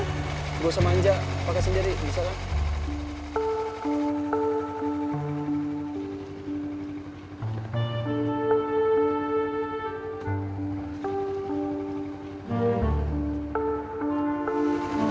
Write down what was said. gak usah manja pake sendiri bisa lah